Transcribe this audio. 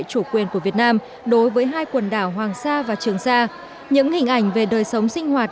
chủ quyền của việt nam đối với hai quần đảo hoàng sa và trường sa những hình ảnh về đời sống sinh hoạt